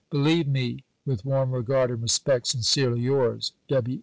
Believe me, with warm regard and respect, sincerely yours, W.